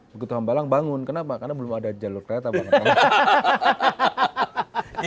begitu hambalang bangun kenapa karena belum ada jalur kereta bandara